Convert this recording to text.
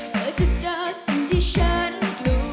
เธอจะเจอสิ่งที่ฉันกลัว